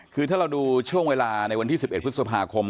คือถ้าเราดูช่วงเวลาในวันที่๑๑พฤษภาคม